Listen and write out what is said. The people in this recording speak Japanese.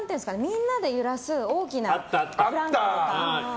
みんなで揺らす大きなブランコ。